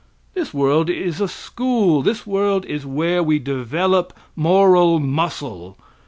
This world is a school; this world is where we develop moral muscle.